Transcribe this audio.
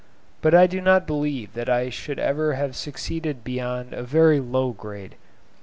But I do not believe that I should ever have succeeded beyond a very low grade.